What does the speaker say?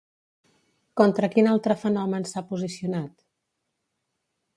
Contra quin altre fenomen s'ha posicionat?